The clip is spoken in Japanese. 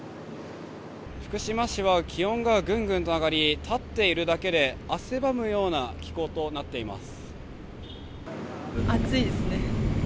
福島市は、気温がぐんぐんと上がり、立っているだけで、汗ばむような気候と暑いですね。